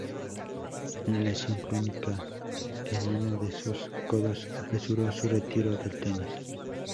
Una lesión crónica en uno de sus codos apresuró su retiro del tenis.